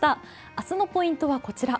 明日のポイントはこちら。